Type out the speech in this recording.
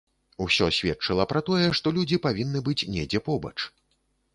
Усё сведчыла пра тое, што людзі павінны быць недзе побач.